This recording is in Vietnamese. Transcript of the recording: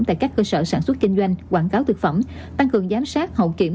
tại các cơ sở sản xuất kinh doanh quảng cáo thực phẩm tăng cường giám sát hậu kiểm